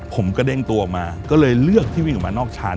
ผมกระเด้งตัวออกมาก็เลยเลือกที่วิ่งออกมานอกชาน